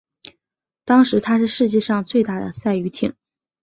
当时她是世界最大的赛渔艇。